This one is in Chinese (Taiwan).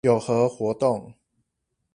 有何活動